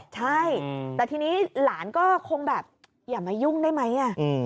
ใช่แต่ทีนี้หลานก็คงแบบอย่ามายุ่งได้ไหม